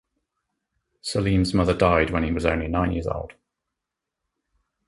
Salim's mother died when he was only nine years old.